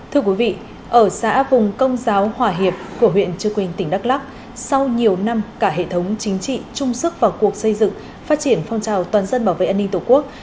thưa quý vị ở xã vùng công giáo hòa hiệp của huyện trư quỳnh tỉnh đắk lắc sau nhiều năm cả hệ thống chính trị chung sức vào cuộc xây dựng phát triển phong trào toàn dân bảo vệ an ninh tổ quốc